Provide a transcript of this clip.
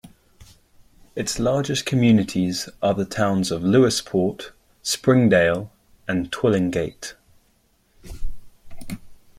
Its largest communities are the towns of Lewisporte, Springdale, and Twillingate.